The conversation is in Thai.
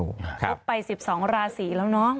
คุดไป๑๒ระสีแล้วน้อง